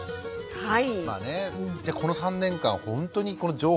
はい。